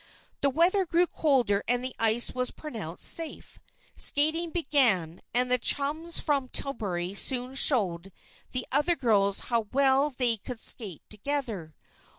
The weather grew colder and the ice was pronounced safe. Skating began, and the chums from Tillbury soon showed the other girls how well they could skate together.